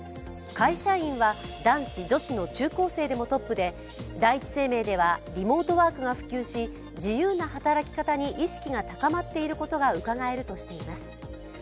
会社員は男子、女子の中高生でもトップで第一生命ではリモートワークが普及自由な働き方に意識が高まっていることがうかがえるとしています。